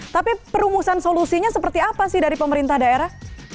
tapi perumusan solusinya seperti apa sih dari pemerintah daerah